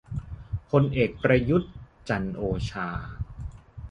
พลเอก ประยุทธ์ จันทร์โอชา